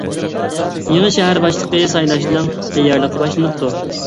يېڭى شەھەر باشلىقى سايلاشنىڭ تەييارلىقى باشلىنىپتۇ.